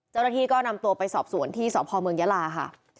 เจ้าหน้าที่ก็นำตัวไปสอบสวนที่สพเมืองยาลาค่ะ